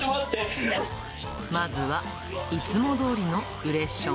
まずはいつもどおりのうれしょん。